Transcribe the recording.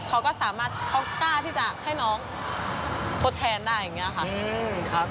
เขาก็สามารถเขากล้าที่จะให้น้องทดแทนได้อย่างนี้ค่ะ